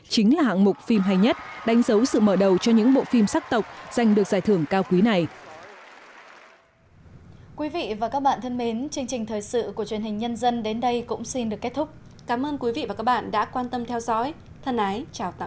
chính là hạng mục phim hay nhất đánh dấu sự mở đầu cho những bộ phim sắc tộc giành được giải thưởng cao quý này